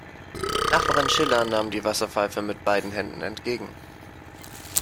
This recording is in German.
Nachbarin Schiller nahm die Wasserpfeife mit beiden Händen entgegen.